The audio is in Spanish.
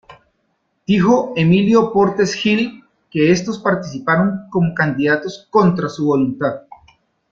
Dijo Emilio Portes Gil que estos participaron como candidatos contra su voluntad.